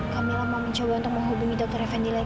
kak mila mau mencoba untuk menghubungi dokter effendi lagi